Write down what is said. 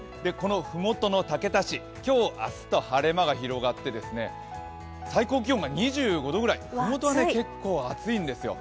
麓の竹田市今日明日と晴れ間が広がって、最高気温が２５度ぐらいふもとは結構暑いんですよ。